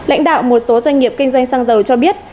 lãnh đạo một số doanh nghiệp kinh doanh xăng dầu cho biết